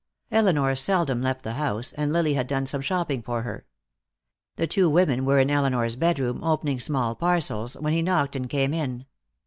Elinor seldom left the house, and Lily had done some shopping for her. The two women were in Elinor's bedroom, opening small parcels, when he knocked and came in.